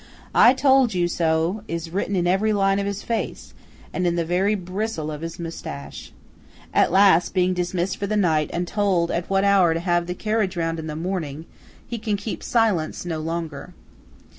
"I told you so" is written in every line of his face, and in the very bristle of his moustache. At last, being dismissed for the night and told at what hour to have the carriage round in the morning, he can keep silence no longer.